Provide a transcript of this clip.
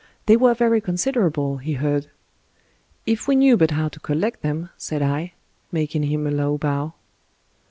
They were very considerable, he heard. " If we knew but how to collect them," said I, making him a low bow.